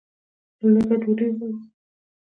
لوږه ډوډۍ غواړي